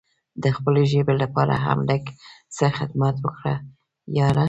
د خپلې ژبې لپاره هم لږ څه خدمت وکړه یاره!